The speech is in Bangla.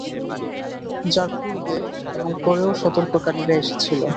যার পূর্বে এবং পরেও সতর্ককারীরা এসেছিল।